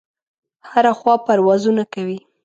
هره خوا پروازونه کوي.